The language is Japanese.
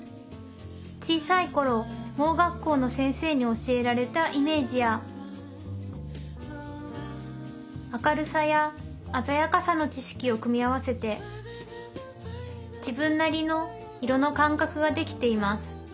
小さい頃盲学校の先生に教えられたイメージや明るさや鮮やかさの知識を組み合わせて自分なりの色の感覚ができています